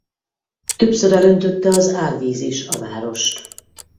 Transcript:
Többször elöntötte az árvíz is a várost.